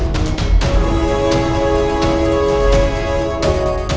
depan aku samba